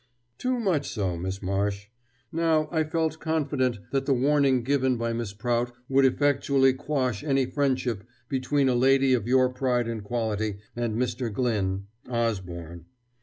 "Too much so, Miss Marsh. Now, I felt confident that the warning given by Miss Prout would effectually quash any friendship between a lady of your pride and quality and Mr. Glyn Osborne.